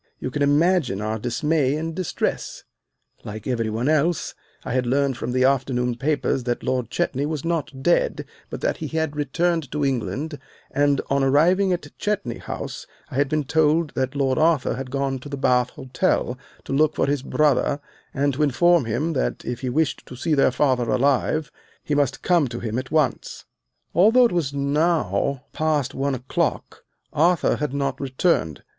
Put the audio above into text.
You can imagine our dismay and distress. Like every one else, I had learned from the afternoon papers that Lord Chetney was not dead, but that he had returned to England, and on arriving at Chetney House I had been told that Lord Arthur had gone to the Bath Hotel to look for his brother and to inform him that if he wished to see their father alive he must come to him at once. Although it was now past one o'clock, Arthur had not returned.